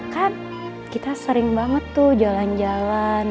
kan kita sering banget tuh jalan jalan